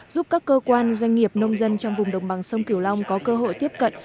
giúp các cơ quan doanh nghiệp nông dân trong vùng đồng bằng sông cửu long có cơ hội tiếp cận